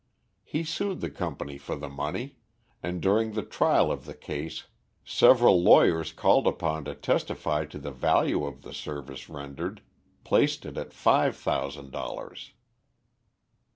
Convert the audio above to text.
He sued the company for the money; and during the trial of the case, several lawyers called upon to testify to the value of the service rendered, placed it at five thousand dollars.